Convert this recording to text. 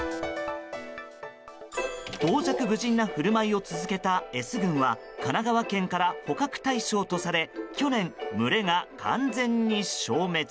傍若無人な振る舞いを続けたＳ群は神奈川県から捕獲対象とされ去年群れが完全に消滅。